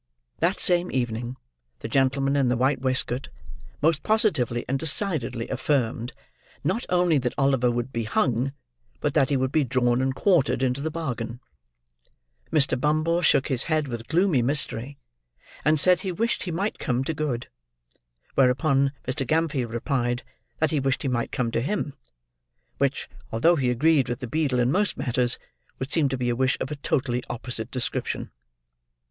That same evening, the gentleman in the white waistcoat most positively and decidedly affirmed, not only that Oliver would be hung, but that he would be drawn and quartered into the bargain. Mr. Bumble shook his head with gloomy mystery, and said he wished he might come to good; whereunto Mr. Gamfield replied, that he wished he might come to him; which, although he agreed with the beadle in most matters, would seem to be a wish of a totally opposite description.